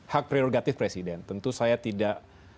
hak prerogatif presiden tentu saya tidak